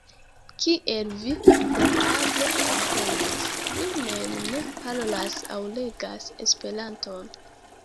Kiel vi probable komprenis, mi mem ne parolas aŭ legas Esperanton.